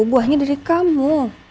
buahnya dari kamu